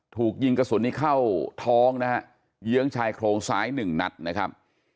ถูกยิงกระสุนนี้เข้าท้องนะฮะเยื้องชายโครงซ้ายหนึ่งนัดนะครับ